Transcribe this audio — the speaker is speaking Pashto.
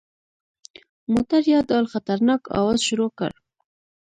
موټر یو ډول خطرناک اواز شروع کړ.